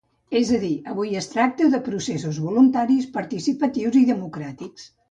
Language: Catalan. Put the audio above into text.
És a dir, avui es tracta de processos voluntaris, participatius i democràtics.